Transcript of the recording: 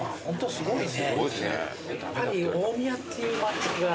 すごいな。